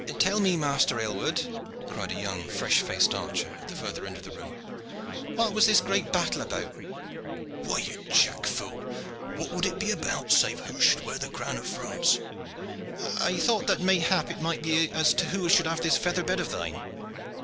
"Tell me, master Aylward," cried a young fresh faced archer at the further end of the room, "what was this great battle about?" "Why, you jack fool, what would it be about save who should wear the crown of France?" "I thought that mayhap it might be as to who should have this feather bed of thine."